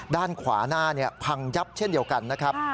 ด้านขวาหน้าพังยับเช่นเดียวกันนะครับ